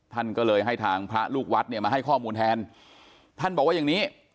ท่านก็เลยให้ทางพระลูกวัดเนี่ยมาให้ข้อมูลแทนท่านบอกว่าอย่างนี้